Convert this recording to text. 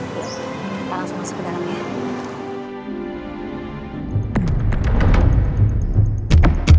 kita langsung masuk ke dalamnya